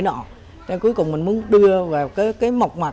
nên mình muốn đưa vào cái mộc mạc